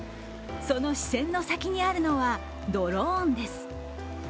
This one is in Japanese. その視線の先にあるのはドローンです。